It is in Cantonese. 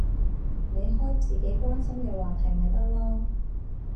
你開自己關心嘅話題咪得囉